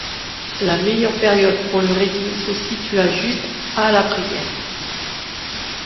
La meilleure période pour le Reading se situa juste à l'après-guerre.